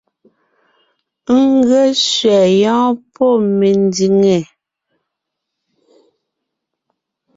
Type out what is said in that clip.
N ge sẅɛ yɔ́ɔn pɔ́ mendìŋe!